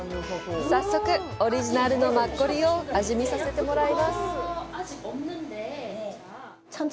早速、オリジナルのマッコリを味見させてもらいます。